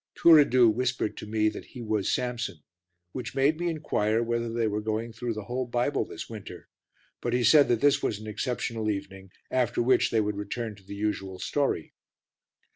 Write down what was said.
Turiddu whispered to me that he was Samson, which made me inquire whether they were going through the whole Bible this winter, but he said this was an exceptional evening, after which they would return to the usual story.